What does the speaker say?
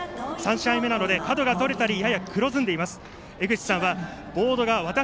３試合目なので角が取れたりやや黒ずんでいます。